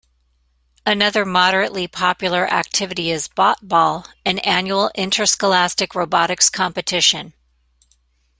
Another moderately popular activity is Botball, an annual interscholastic robotics competition.